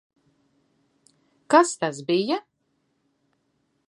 Kas tas bija?